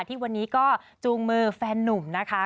ที่วันนี้ก็จูงมือแฟนนุ่มนะคะ